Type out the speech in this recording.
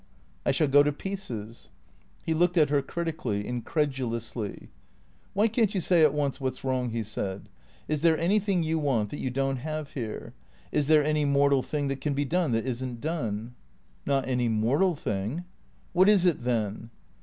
" I shall go to pieces." He looked at her critically, incredulously. "Why can't you say at once what's wrong?" he said. "Is there anything you want that you don't have here? Is there any mortal thing that can be done that is n't done? "" Not any mortal thing." " What is it then